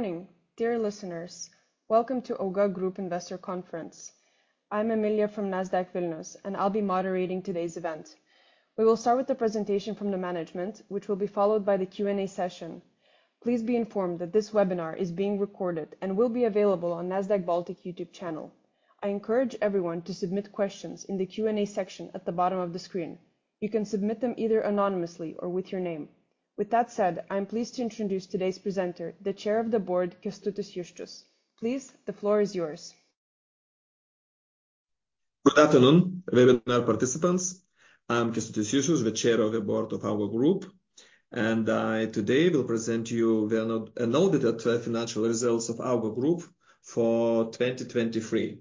Good morning, dear listeners. Welcome to Auga Group Investor Conference. I'm Emilija from Nasdaq Vilnius, and I'll be moderating today's event. We will start with a presentation from the management, which will be followed by the Q&A session. Please be informed that this webinar is being recorded and will be available on Nasdaq Baltic YouTube channel. I encourage everyone to submit questions in the Q&A section at the bottom of the screen. You can submit them either anonymously or with your name. With that said, I'm pleased to introduce today's presenter, the Chair of the Board, Kęstutis Juščius. Please, the floor is yours. Good afternoon, webinar participants. I'm Kęstutis Juščius, the Chair of the Board of Auga Group, and I today will present you the audited financial results of Auga Group for 2023.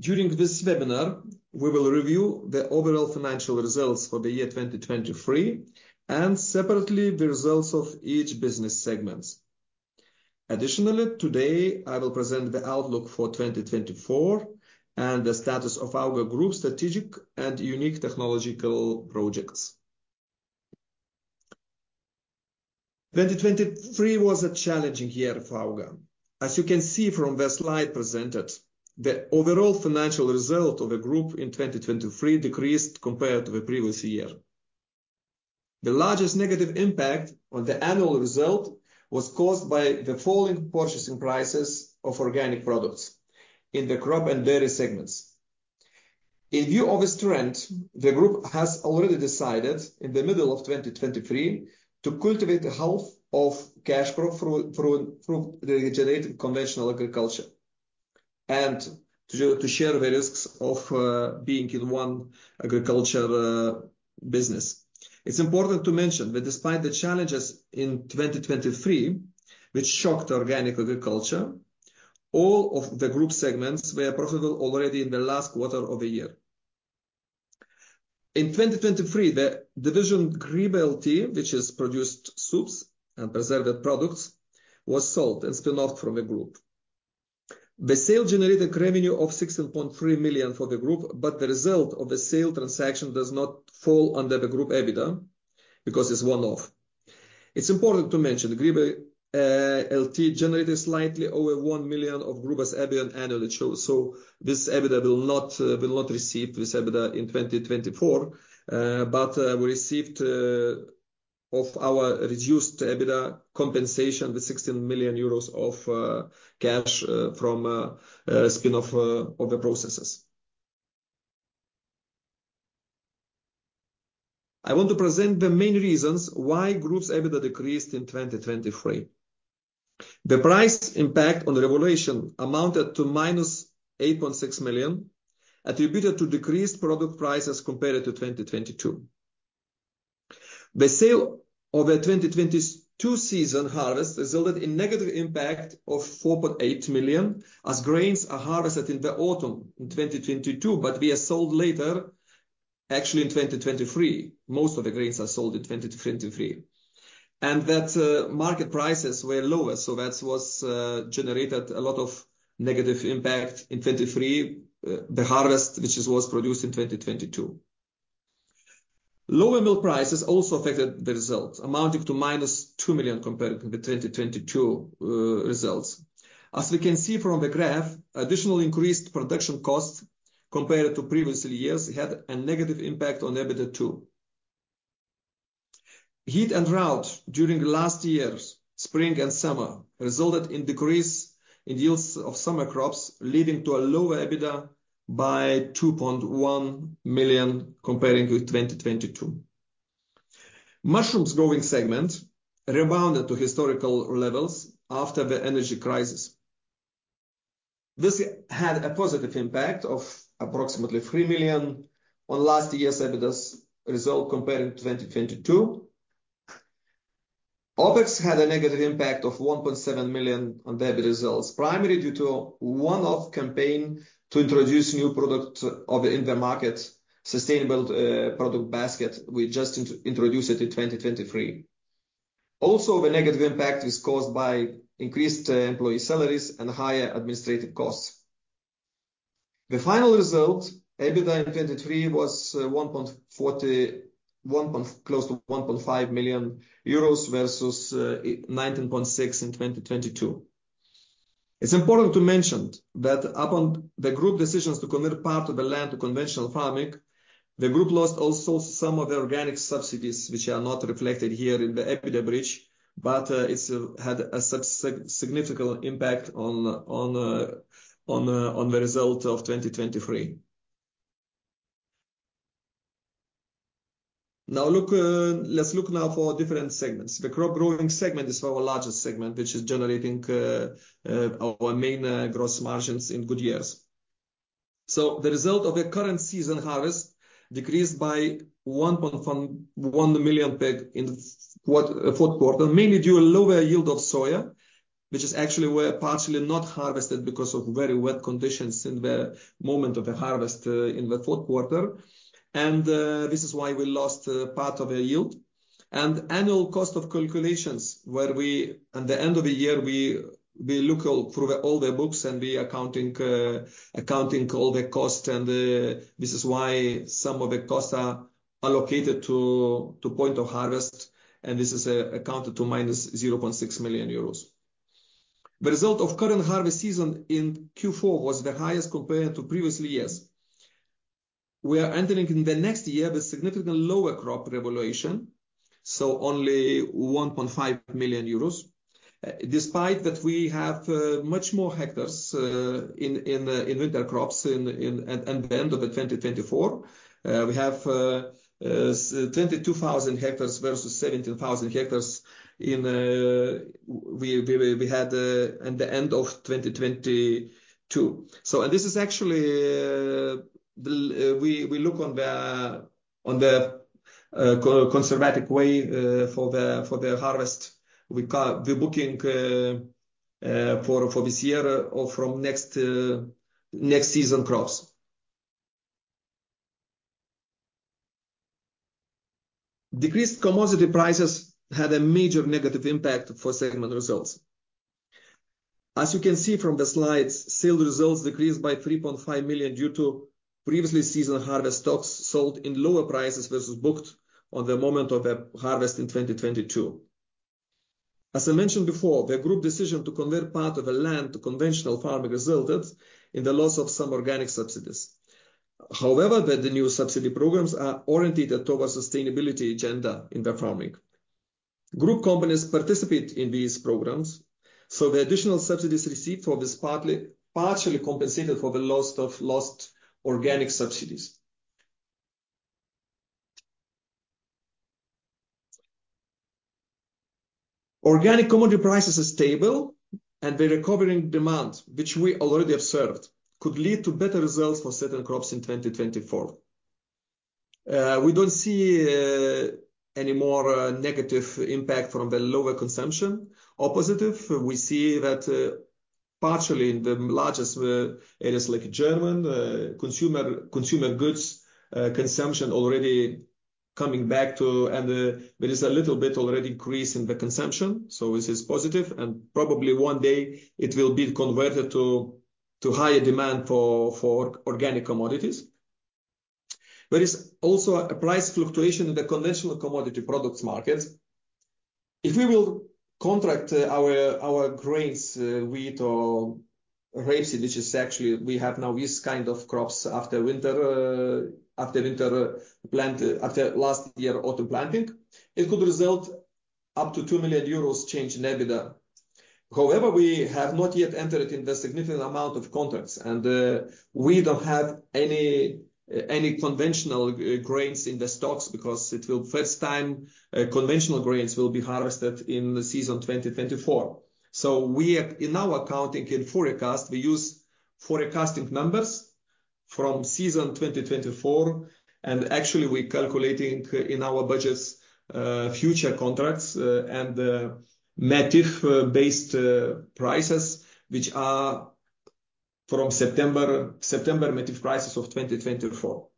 During this webinar, we will review the overall financial results for the year 2023 and separately the results of each business segment. Additionally, today I will present the outlook for 2024 and the status of Auga Group's strategic and unique technological projects. 2023 was a challenging year for Auga. As you can see from the slide presented, the overall financial result of the group in 2023 decreased compared to the previous year. The largest negative impact on the annual result was caused by the falling purchasing prices of organic products in the crop and dairy segments. In view of this trend, the group has already decided in the middle of 2023 to cultivate the health of cash crop through the generated conventional agriculture to share the risks of being in one agriculture business. It's important to mention that despite the challenges in 2023, which shocked organic agriculture. All of the group segments were profitable already in the last quarter of the year. In 2023, the division Grybai LT, which is produced soups and preserved products, was sold and spun off from the group. The sale generated revenue of 16.3 million for the group, but the result of the sale transaction does not fall under the group EBITDA because it's one-off. It's important to mention Grybai LT generated slightly over 1 million of group's EBITDA annually, so this EBITDA will not receive this EBITDA in 2024, but we received of our reduced EBITDA compensation with 16 million euros of cash from spin-off of the processes. I want to present the main reasons why group's EBITDA decreased in 2023. The price impact on the revenue amounted to -8.6 million, attributed to decreased product prices compared to 2022. The sale of the 2022 season harvest resulted in a negative impact of 4.8 million as grains are harvested in the autumn in 2022, but we sold later. Actually, in 2023, most of the grains are sold in 2023. And that market prices were lower, so that was generated a lot of negative impact in 2023, the harvest, which was produced in 2022. Lower milk prices also affected the results, amounting to -2 million compared with 2022 results. As we can see from the graph, additional increased production costs compared to previous years had a negative impact on EBITDA too. Heat and drought during last years, spring and summer, resulted in decrease in yields of summer crops, leading to a lower EBITDA by 2.1 million comparing with 2022. Mushrooms growing segment rebounded to historical levels after the energy crisis. This had a positive impact of approximately 3 million on last year's EBITDA result comparing to 2022. OpEx had a negative impact of 1.7 million on the EBITDA results, primarily due to one-off campaign to introduce new products in the market, sustainable product basket we just introduced it in 2023. Also, the negative impact is caused by increased employee salaries and higher administrative costs. The final result, EBITDA in 2023 was close to 1.5 million euros versus 19.6 million in 2022. It's important to mention that upon the group decisions to convert part of the land to conventional farming, the group lost also some of the organic subsidies, which are not reflected here in the EBITDA bridge, but it had a significant impact on the result of 2023. Now, let's look now for different segments. The crop growing segment is our largest segment, which is generating our main gross margins in good years. So the result of the current season harvest decreased by 1.1 million in the fourth quarter, mainly due to a lower yield of soya. Which is actually where partially not harvested because of very wet conditions in the moment of the harvest in the fourth quarter. And this is why we lost part of the yield. Annual cost calculations where we at the end of the year we look through all the books and we are accounting all the cost and this is why some of the costs are allocated to point of harvest and this is accounted to -0.6 million euros. The result of current harvest season in Q4 was the highest compared to previous years. We are entering in the next year with significantly lower crop revaluation. So only 1.5 million euros. Despite that we have much more hectares in winter crops at the end of 2024. We have 22,000 hectares versus 17,000 hectares in we had at the end of 2022. So and this is actually we look on the conservative way for the harvest. We're booking for this year or from next season crops. Decreased commodity prices had a major negative impact for segment results. As you can see from the slides, sales results decreased by 3.5 million due to previous season's harvest stocks sold in lower prices versus booked on the moment of the harvest in 2022. As I mentioned before, the group decision to convert part of the land to conventional farming resulted in the loss of some organic subsidies. However, the new subsidy programs are oriented towards sustainability agenda in the farming. Group companies participate in these programs. So the additional subsidies received for this partially compensated for the loss of organic subsidies. Organic commodity prices are stable and the recovering demand, which we already observed, could lead to better results for certain crops in 2024. We don't see any more negative impact from the lower consumption. Opposite, we see that partially in the largest areas like Germany, consumer goods consumption already coming back to and there is a little bit already increase in the consumption. So this is positive and probably one day it will be converted to higher demand for organic commodities. There is also a price fluctuation in the conventional commodity products markets. If we will contract our grains, wheat, or rapeseed, which is actually we have now this kind of crops after winter plant after last year autumn planting, it could result up to 2 million euros change in EBITDA. However, we have not yet entered in the significant amount of contracts and we don't have any conventional grains in the stocks because it will first time conventional grains will be harvested in the season 2024. So we are in our accounting in forecast we use forecasting numbers from season 2024 and actually we're calculating in our budgets future contracts and MATIF-based prices, which are from September MATIF prices of 2024.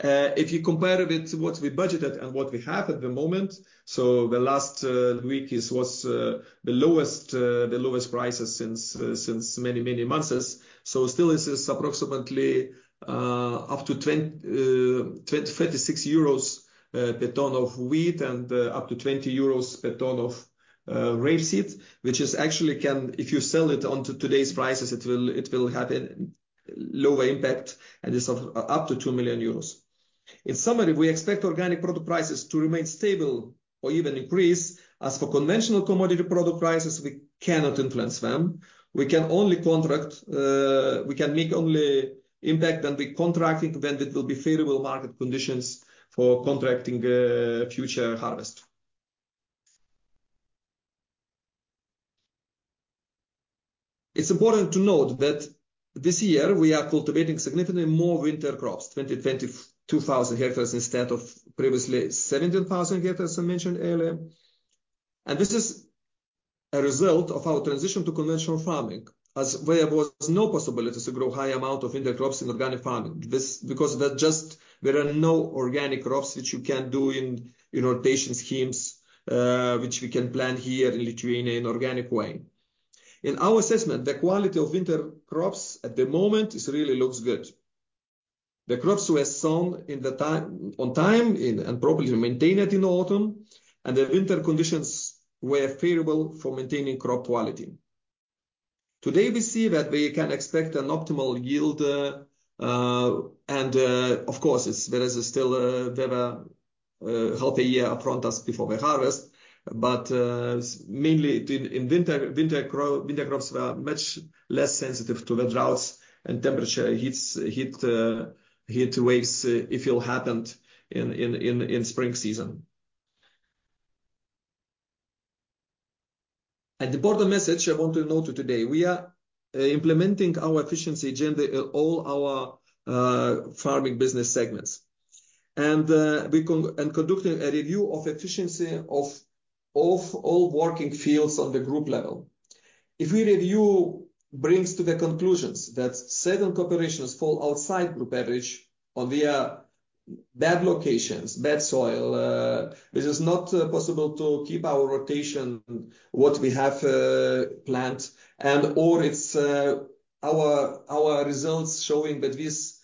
If you compare with what we budgeted and what we have at the moment, so the last week was the lowest prices since many, many months. So still this is approximately up to 36 euros per ton of wheat and up to 20 euros per ton of rapeseed, which is actually can if you sell it onto today's prices it will happen lower impact and it's up to 2 million euros. In summary, we expect organic product prices to remain stable or even increase as for conventional commodity product prices we cannot influence them. We can only contract we can make only impact and be contracting when it will be favorable market conditions for contracting future harvest. It's important to note that this year we are cultivating significantly more winter crops, 20,000 hectares instead of previously 17,000 hectares I mentioned earlier. This is a result of our transition to conventional farming as where there was no possibility to grow high amount of winter crops in organic farming because there just there are no organic crops which you can do in rotation schemes, which we can plant here in Lithuania in organic way. In our assessment, the quality of winter crops at the moment is really looks good. The crops were sown in the time on time and properly maintained in autumn. The winter conditions were favorable for maintaining crop quality. Today we see that we can expect an optimal yield. And of course, there is still half a year ahead of us before the harvest. But mainly, winter crops were much less sensitive to the droughts and temperature heat waves if it happened in spring season. As the Chair of the Board, I want to note today we are implementing our efficiency agenda in all our farming business segments. And we are conducting a review of efficiency of all working fields on the group level. If the review brings us to the conclusions that certain operations fall outside group average on their bad locations, bad soil, which is not possible to keep our rotation what we have planned and/or our results showing that these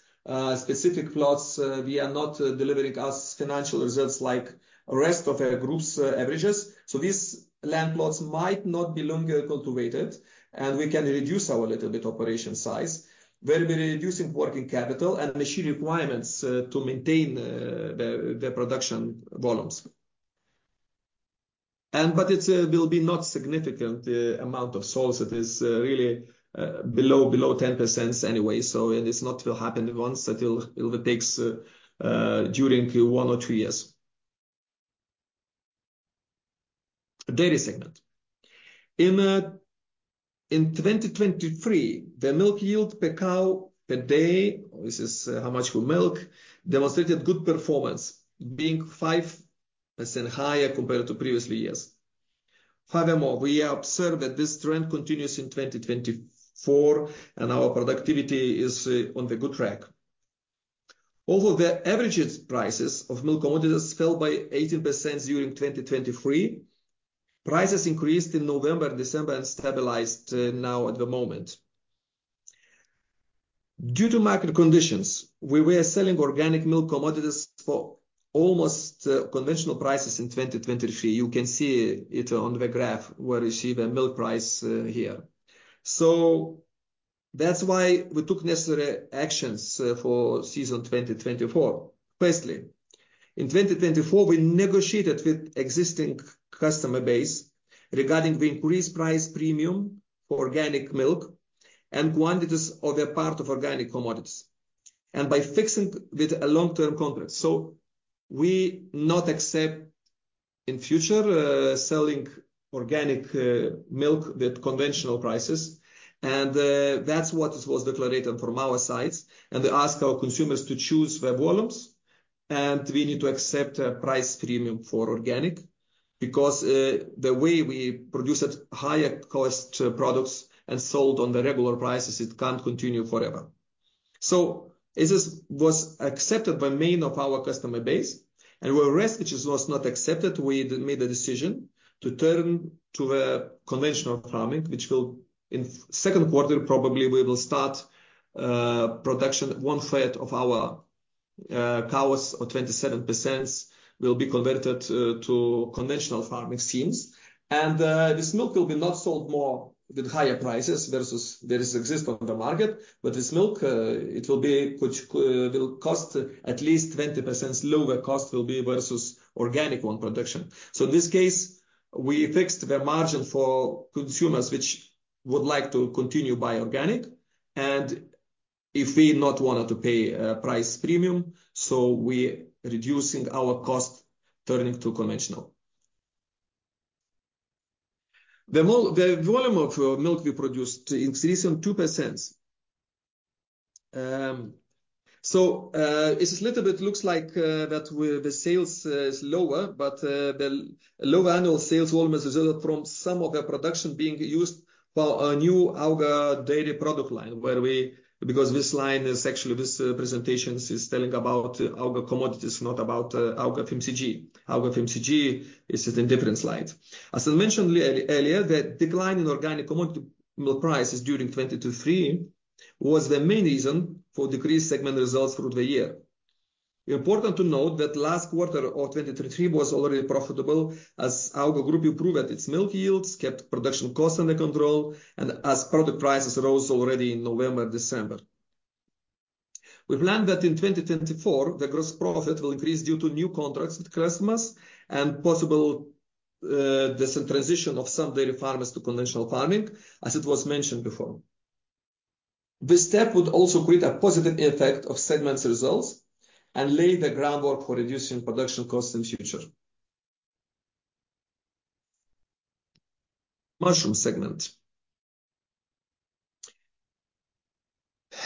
specific plots we are not delivering us financial results like the rest of our groups averages. These land plots might not be longer cultivated and we can reduce our little bit operation size. We're reducing working capital and machine requirements to maintain the production volumes. But it will be not significant amount of soils. It is really below 10% anyway. It's not will happen once until it takes during one or two years. Dairy segment. In 2023, the milk yield per cow per day, this is how much we milk, demonstrated good performance, being 5% higher compared to previous years. However, we observe that this trend continues in 2024 and our productivity is on the good track. Although the average prices of milk commodities fell by 18% during 2023. Prices increased in November, December and stabilized now at the moment. Due to market conditions, we were selling organic milk commodities for almost conventional prices in 2023. You can see it on the graph where we see the milk price here. So that's why we took necessary actions for season 2024. Firstly, in 2024 we negotiated with existing customer base regarding the increased price premium for organic milk and quantities of a part of organic commodities. And by fixing with a long-term contract. So we not accept in future selling organic milk with conventional prices. And that's what it was declared from our sides. And we ask our customers to choose what volumes. And we need to accept a price premium for organic. Because the way we produced higher cost products and sold on the regular prices it can't continue forever. So this was accepted by main of our customer base. The rest, which was not accepted, we made the decision to turn to the conventional farming, which will in second quarter probably we will start production one third of our cows or 27% will be converted to conventional farming schemes. This milk will be not sold more with higher prices versus there exist on the market, but this milk it will cost at least 20% lower cost will be versus organic production. So in this case, we fixed the margin for consumers which would like to continue buy organic. If we not wanted to pay a price premium, so we reducing our cost turning to conventional. The volume of milk we produced increased in 2%. So it's a little bit looks like that the sales is lower, but the lower annual sales volumes result from some of the production being used for a new AUGA dairy product line where we because this line is actually this presentation is telling about AUGA commodities, not about AUGA FMCG. AUGA FMCG is in different slides. As I mentioned earlier, the decline in organic commodity milk prices during 2023 was the main reason for decreased segment results through the year. Important to note that last quarter of 2023 was already profitable as Auga Group improved its milk yields, kept production cost under control, and as product prices rose already in November, December. We plan that in 2024 the gross profit will increase due to new contracts with customers and possible this transition of some dairy farmers to conventional farming as it was mentioned before. This step would also create a positive effect on segments results and lay the groundwork for reducing production costs in future. Mushroom segment.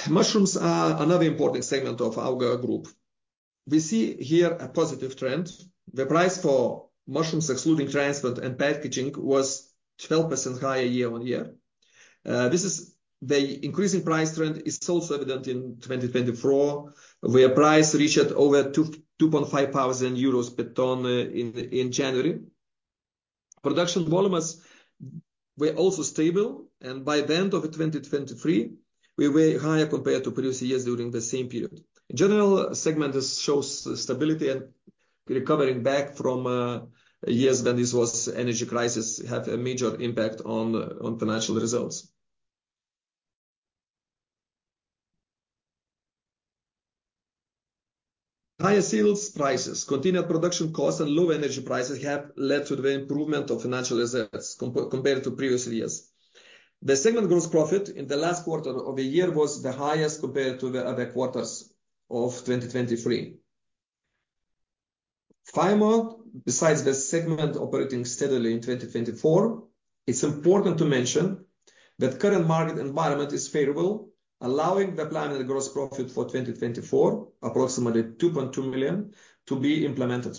Mushrooms are another important segment of Auga Group. We see here a positive trend. The price for mushrooms excluding transport and packaging was 12% higher year-on-year. This increasing price trend is also evident in 2024 where price reached over 2,500 euros per ton in January. Production volumes were also stable and by the end of 2023 we were higher compared to previous years during the same period. In general, segment shows stability and recovering back from years when this was energy crisis have a major impact on financial results. Higher sales prices, controlled production costs, and low energy prices have led to the improvement of financial results compared to previous years. The segment gross profit in the last quarter of a year was the highest compared to the other quarters of 2023. Finally, besides the segment operating steadily in 2024, it's important to mention that current market environment is favorable, allowing the planned gross profit for 2024, approximately 2.2 million, to be implemented.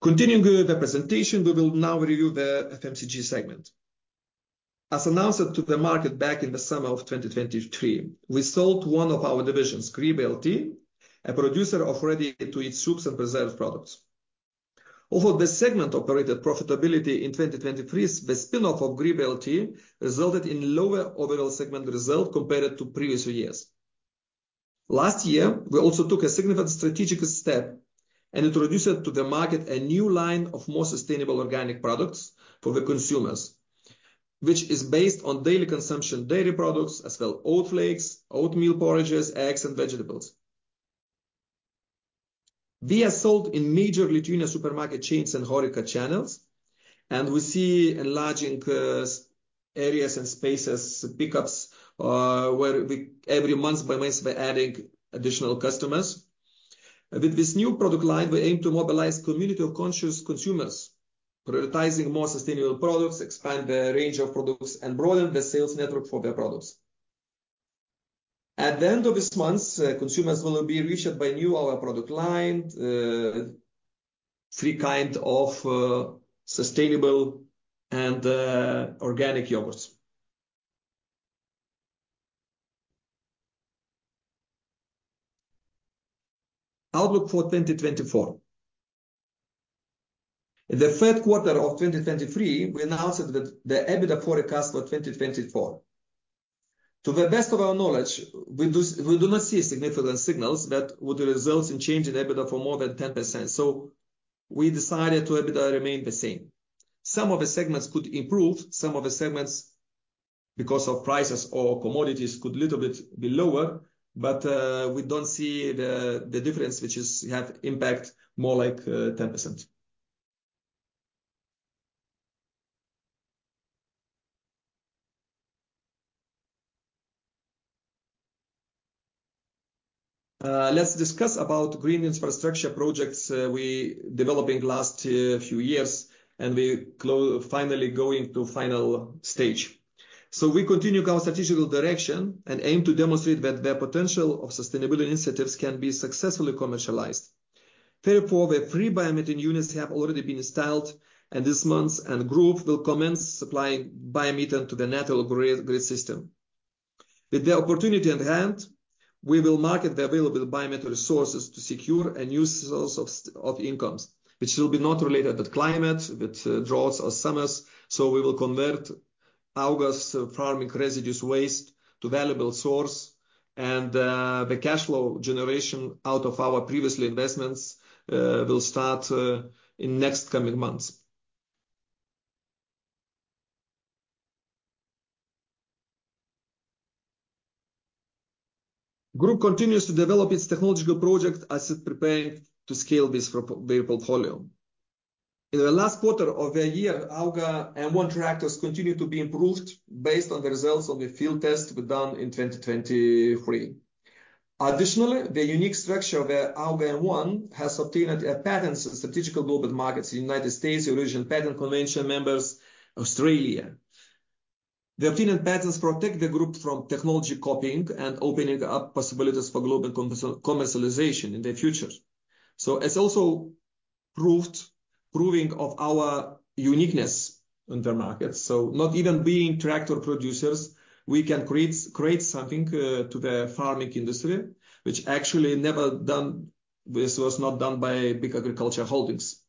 Continuing the presentation, we will now review the FMCG segment. As announced to the market back in the summer of 2023, we sold one of our divisions, Grybai LT, a producer of ready-to-eat soups and preserved products. Although the segment operated profitably in 2023, the spinoff of Grybai LT resulted in lower overall segment result compared to previous years. Last year, we also took a significant strategic step and introduced to the market a new line of more sustainable organic products for the consumers. Which is based on daily consumption dairy products as well oat flakes, oatmeal porridges, eggs, and vegetables. We are sold in major Lithuania supermarket chains and HoReCa channels. We see enlarging areas and spaces pickups where we every month-by-month we're adding additional customers. With this new product line, we aim to mobilize community of conscious consumers. Prioritizing more sustainable products, expand the range of products, and broaden the sales network for their products. At the end of this month, consumers will be reached by new our product line. Free kind of sustainable and organic yogurts. Outlook for 2024. In the third quarter of 2023, we announced that the EBITDA forecast for 2024. To the best of our knowledge, we do not see significant signals that would result in changing EBITDA for more than 10%. So we decided to remain the same. Some of the segments could improve, some of the segments because of prices or commodities could a little bit be lower, but we don't see the difference which has impact more like 10%. Let's discuss about green infrastructure projects we developing last few years and we close finally going to final stage. So we continue our strategic direction and aim to demonstrate that the potential of sustainability initiatives can be successfully commercialized. Therefore, the three biomethane units have already been installed and this month the group will commence supplying biomethane to the national grid system. With the opportunity at hand, we will market the available biomethane resources to secure a new source of incomes, which will not be related to climate with droughts or summers. So we will convert AUGA farming residues waste to valuable source. The cash flow generation out of our previous investments will start in next coming months. The group continues to develop its technological project as it preparing to scale this for their portfolio. In the last quarter of the year, AUGA M1 tractors continue to be improved based on the results of the field test we done in 2023. Additionally, the unique structure of AUGA M1 has obtained a patent in strategic global markets in the United States, European Patent Convention members, Australia. The obtained patents protect the group from technology copying and opening up possibilities for global commercialization in the future. It's also proving of our uniqueness in their markets. Not even being tractor producers, we can create something to the farming industry, which actually never done this was not done by big agriculture holdings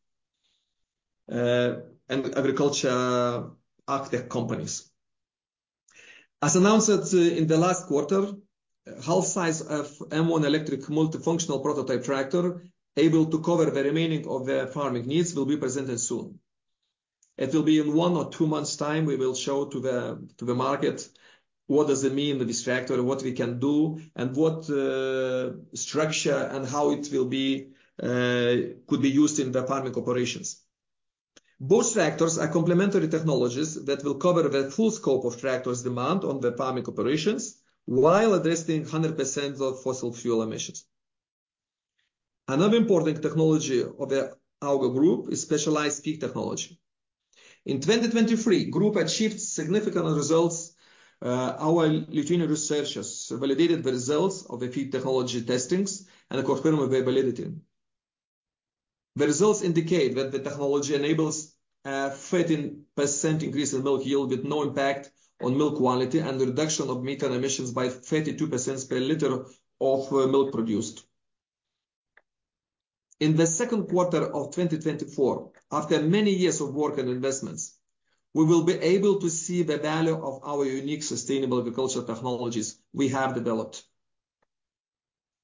and agricultural equipment companies. As announced in the last quarter, half size of M1 electric multifunctional prototype tractor able to cover the remaining of their farming needs will be presented soon. It will be in one or two months' time, we will show to the market what does it mean this tractor, what we can do, and what structure and how it could be used in the farming operations. Both tractors are complementary technologies that will cover the full scope of tractors demand on the farming operations while addressing 100% of fossil fuel emissions. Another important technology of the AUGA group is specialized feed technology. In 2023, group achieved significant results. Our Lithuanian researchers validated the results of the feed technology testing and confirming their validity. The results indicate that the technology enables a 13% increase in milk yield with no impact on milk quality and reduction of methane emissions by 32% per liter of milk produced. In the second quarter of 2024, after many years of work and investments. We will be able to see the value of our unique sustainable agriculture technologies we have developed.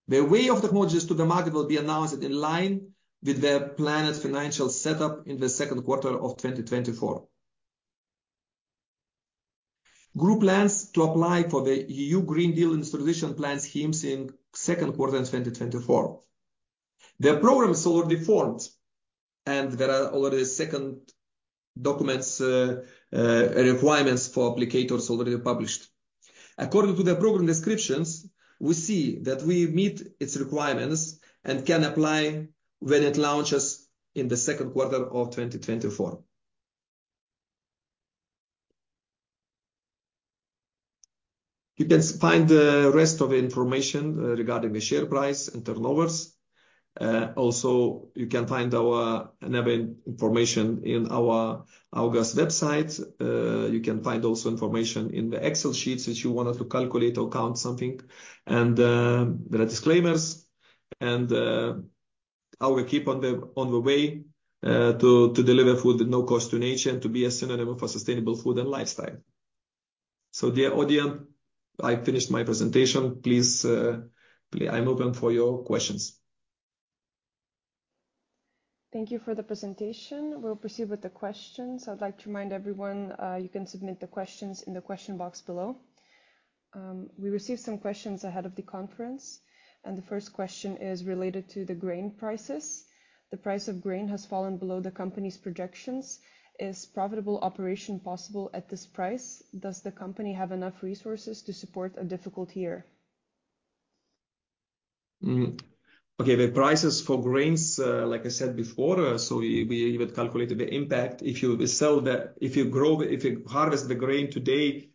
The way of technologies to the market will be announced in line with the planet financial setup in the second quarter of 2024. Group plans to apply for the EU Green Deal Industrial Plan schemes in second quarter in 2024. The program is already formed. There are already second documents requirements for applicators already published. According to the program descriptions, we see that we meet its requirements and can apply when it launches in the second quarter of 2024. You can find the rest of the information regarding the share price and turnovers. Also, you can find our other information in our AUGA website. You can find also information in the Excel sheets if you wanted to calculate or count something. And there are disclaimers. And I will keep on the way to deliver food with no cost to nature and to be a synonym for sustainable food and lifestyle. So dear audience, I finished my presentation. Please, I'm open for your questions. Thank you for the presentation. We'll proceed with the questions. I'd like to remind everyone, you can submit the questions in the question box below. We received some questions ahead of the conference. And the first question is related to the grain prices. The price of grain has fallen below the company's projections. Is profitable operation possible at this price? Does the company have enough resources to support a difficult year? Okay, the prices for grains, like I said before, so we even calculated the impact. If you grow, if you harvest the grain today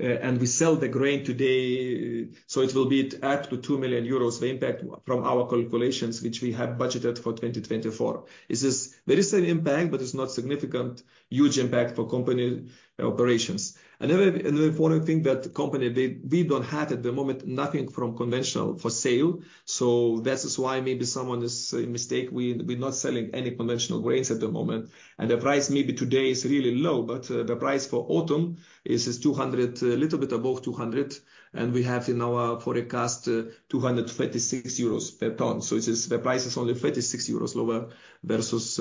and we sell the grain today, so it will be up to 2 million euros, the impact from our calculations, which we have budgeted for 2024. This is very same impact, but it's not significant huge impact for company operations. Another important thing that the company we don't have at the moment nothing from conventional for sale. So that is why maybe someone is mistake. We're not selling any conventional grains at the moment. And the price maybe today is really low, but the price for autumn is 200, a little bit above 200. And we have in our forecast 236 euros per ton. So the price is only 36 euros lower versus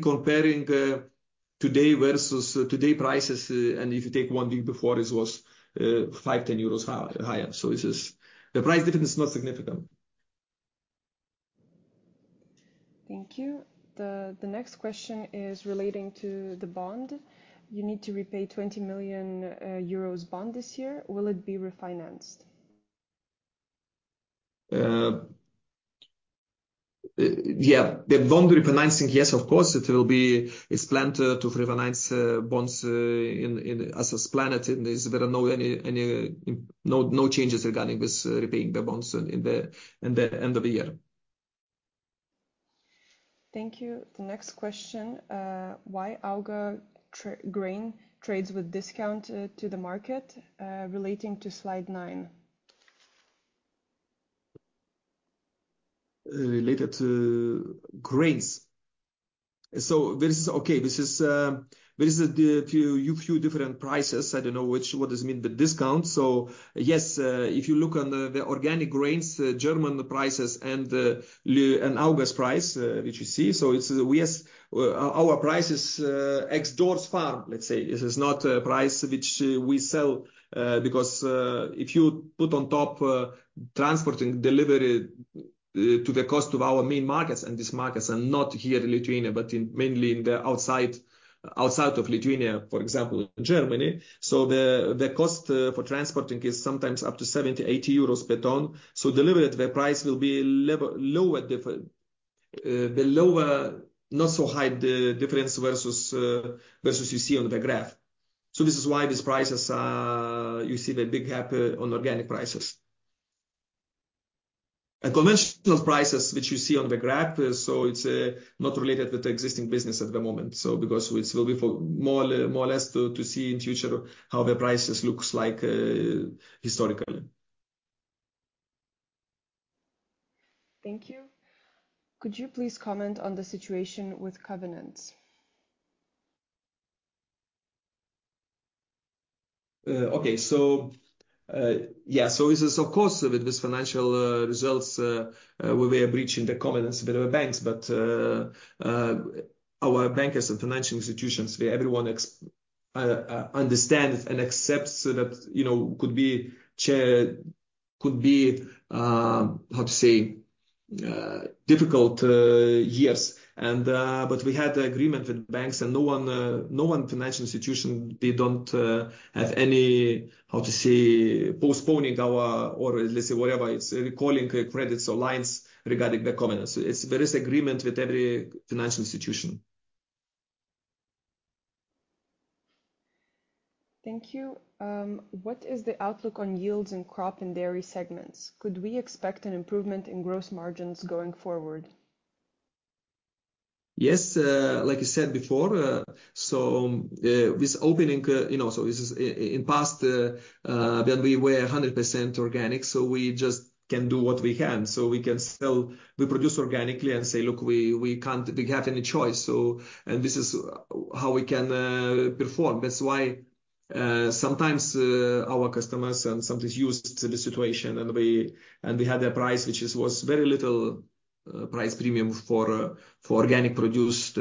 comparing today versus today prices and if you take one week before it was 5-10 euros higher. So the price difference is not significant. Thank you. The next question is relating to the bond. You need to repay 20 million euros bond this year. Will it be refinanced? Yeah, the bond refinancing, yes, of course, it will be. It's planned to refinance bonds as planned. And there are no changes regarding this repaying the bonds in the end of the year. Thank you. The next question. Why AUGA grain trades with discount to the market relating to slide 9? Related to grains. So this is a few different prices. I don't know what it means, the discount. So yes, if you look on the organic grains, German prices and Auga's price, which you see. So it's our prices ex-farm, let's say. This is not a price which we sell because if you put on top transporting delivery to the cost of our main markets and these markets not here in Lithuania, but mainly in the outside of Lithuania, for example, in Germany. So the cost for transporting is sometimes up to 70-80 euros per ton. So delivered the price will be lower difference. The lower not so high the difference versus you see on the graph. So this is why these prices, you see, the big gap on organic prices. The conventional prices which you see on the graph, so it's not related with the existing business at the moment. So because it will be for more or less to see in future how the prices looks like historically. Thank you. Could you please comment on the situation with covenants? Okay, so yeah, so this is of course with this financial results we were breaching the covenants with our banks, but our bankers and financial institutions, we everyone understands and accepts that you know could be there could be how to say difficult years. But we had the agreement with banks and no one financial institution they don't have any how to say postponing our or let's say whatever it's recalling credits or lines regarding their covenants. There is agreement with every financial institution. Thank you. What is the outlook on yields and crop and dairy segments? Could we expect an improvement in gross margins going forward? Yes, like I said before, so with opening you know so this is in past when we were 100% organic, so we just can do what we can. So we can sell we produce organically and say look we we can't we have any choice. So and this is how we can perform. That's why sometimes our customers and sometimes used the situation and we and we had a price which is was very little price premium for for organic produced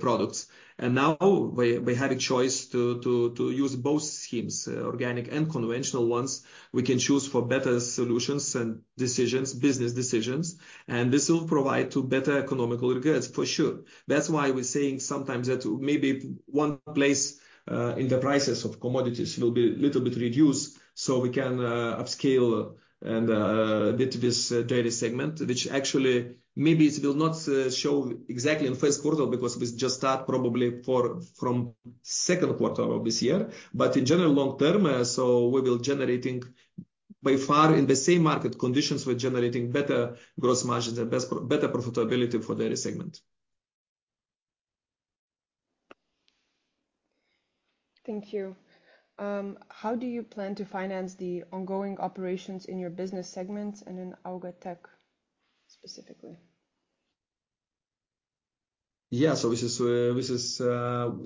products. And now we we have a choice to to to use both schemes, organic and conventional ones. We can choose for better solutions and decisions, business decisions. And this will provide to better economic results for sure. That's why we're saying sometimes that maybe one place in the prices of commodities will be a little bit reduced so we can upscale and a bit this dairy segment, which actually maybe it will not show exactly in first quarter because we just start probably for from second quarter of this year. But in general long term, so we will generating by far in the same market conditions we're generating better gross margins and best better profitability for dairy segment. Thank you. How do you plan to finance the ongoing operations in your business segments and in AUGA Tech specifically? Yeah, so this is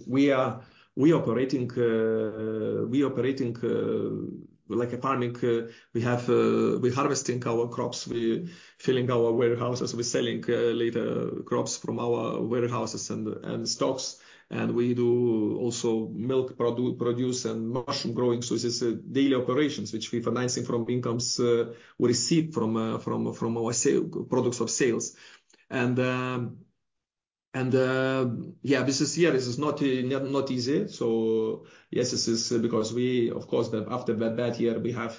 we are operating like a farming. We harvesting our crops, we filling our warehouses, we're selling later crops from our warehouses and stocks, and we do also milk produce and mushroom growing, so this is daily operations which we financing from incomes we receive from our sale products of sales. And yeah, this is not easy. So yes, this is because we of course that after that bad year we have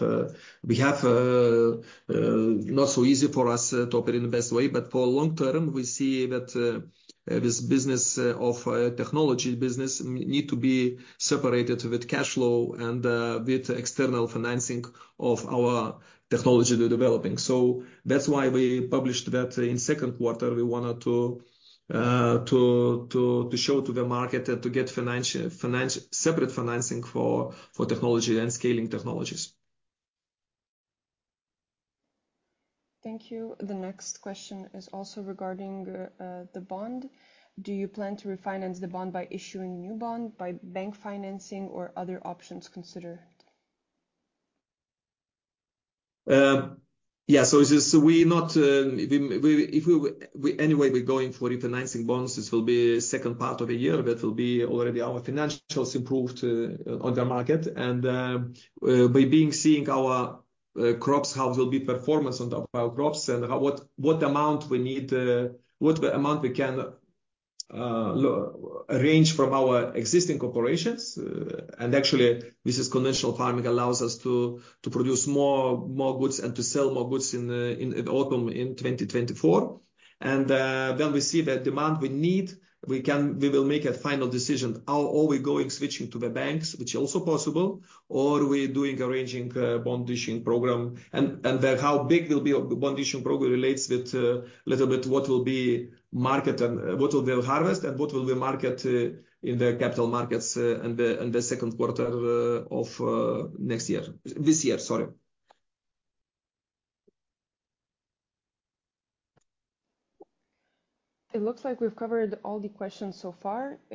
not so easy for us to operate in the best way, but for long term we see that this business of technology business need to be separated with cash flow and with external financing of our technology to developing. So that's why we published that in second quarter we wanted to show to the market and to get financial separate financing for technology and scaling technologies. Thank you. The next question is also regarding the bond. Do you plan to refinance the bond by issuing new bond, by bank financing, or other options considered? Yeah, so this is we not if we anyway we're going for refinancing bonds. This will be a second part of a year that will be already our financials improved on the market and by seeing our crops how it will be performance on our crops and how what amount we need what amount we can arrange from our existing operations and actually this is conventional farming allows us to produce more goods and to sell more goods in the autumn in 2024. And then we see that demand we need we can we will make a final decision how are we going switching to the banks which is also possible or we're doing arranging bond issuance program and the how big will be a bond issuance program relates with a little bit what will be market and what will be harvest and what will be market in the capital markets and the second quarter of next year this year sorry. It looks like we've covered all the questions so far.